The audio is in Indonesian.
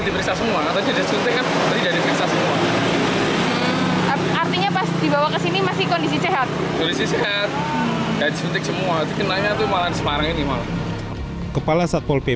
kepala satpol pp kota semarang kamisial